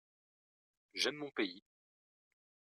j'aime mon pays.